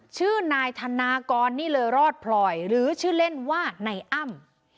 ชื่อนายธนากรนี่เลยรอดพลอยหรือชื่อเล่นว่านายอ้ำ